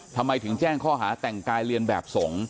ทำไมถึงแจ้งข้อหาแต่งกายเรียนแบบสงฆ์